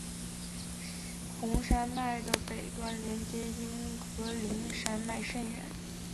红山脉的北端连接英格林山脉甚远。